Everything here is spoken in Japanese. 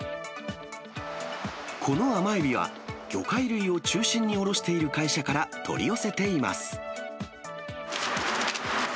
この甘エビは、魚介類を中心に卸している会社から取り寄せています。